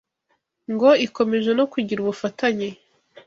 Ngo ikomeje no kugira ubufatanye